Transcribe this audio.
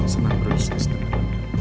semangat berusaha sedikit